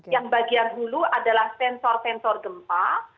yang bagian hulu adalah sensor sensor gempa